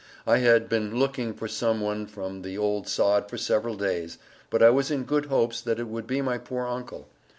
I had been looking for some one from the old sod for several days, but I was in good hopes that it would be my poor Uncle.